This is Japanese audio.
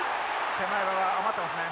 手前側余ってますね。